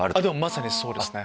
まさにそうですね。